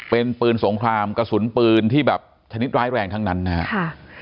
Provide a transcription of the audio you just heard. เป็นปืนสงครามกระสุนปืนที่แบบชนิดร้ายแรงทั้งนั้นนะครับ